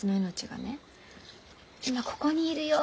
今ここにいるよ